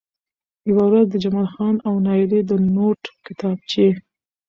يوه ورځ د جمال خان او نايلې د نوټ کتابچې